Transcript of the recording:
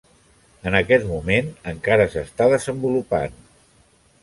En aquest moment, encara s'està desenvolupant.